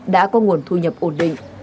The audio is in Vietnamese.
đã có nguồn thu nhập ổn định